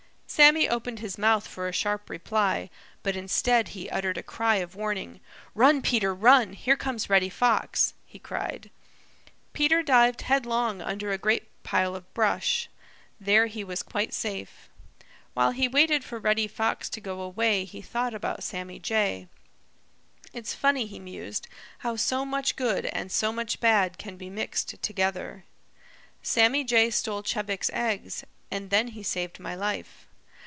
Sammy opened his mouth for a sharp reply, but instead he uttered a cry of warning. "Run, Peter! Run! Here comes Reddy Fox!" he cried. Peter dived headlong under a great pile of brush. There he was quite safe. While he waited for Reddy Fox to go away he thought about Sammy Jay. "It's funny," he mused, "how so much good and so much bad can be mixed together. Sammy Jay stole Chebec's eggs, and then he saved my life.